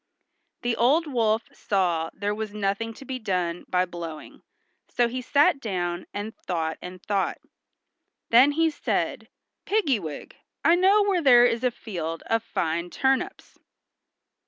The old wolf saw there was nothing to be done by blowing, so he sat down and thought and thought. Then he said, "Piggy wig, I know where there is a field of fine turnips."